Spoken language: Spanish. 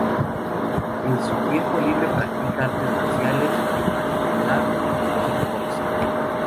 En su tiempo libre practica artes marciales, en particular, kick-boxing.